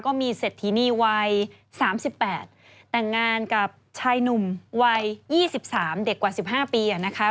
ก็มีเศรษฐีนีวัย๓๘แต่งงานกับชายหนุ่มวัย๒๓เด็กกว่า๑๕ปีนะคะ